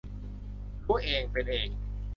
รู้เองเป็นเอง